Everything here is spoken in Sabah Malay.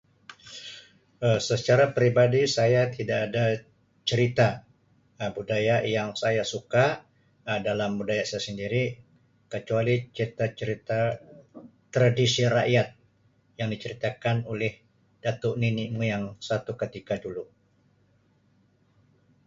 Um Secara peribadi saya tidak ada cerita Um budaya yang saya suka Um dalam budaya saya sendiri kecuali ceta-cerita tradisi rakyat yang diceritakan oleh datuk nenek moyang suatu ketika dulu.